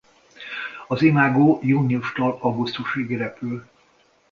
Az imágó júniustól augusztusig repül.